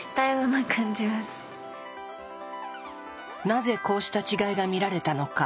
なぜこうした違いが見られたのか。